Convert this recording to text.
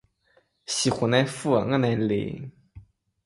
西湖的水我的泪